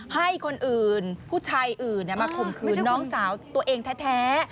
ให้คนอื่นผู้ชายอื่นมาข่มขืนน้องสาวตัวเองแท้